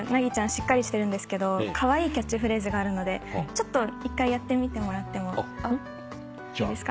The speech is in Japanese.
しっかりしてるんですけどカワイイキャッチフレーズがあるのでちょっと１回やってみてもらってもいいですか？